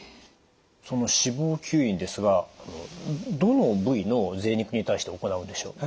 その脂肪吸引ですがどの部位のぜい肉に対して行うんでしょう？